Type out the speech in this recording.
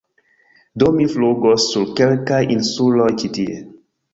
Do mi flugos sur kelkaj insuloj ĉi tie.